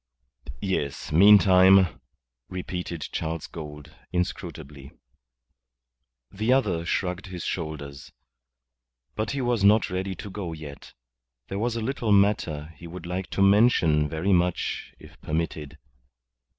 "Yes, meantime," repeated Charles Gould, inscrutably. The other shrugged his shoulders. But he was not ready to go yet. There was a little matter he would like to mention very much if permitted.